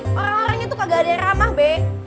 orang orangnya tuh kagak ada yang ramah bek